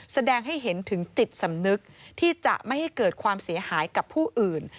แสดงให้เห็นถึงจิตสำนึกที่จะไม่ให้เกิดความเสียหายกับผู้อื่น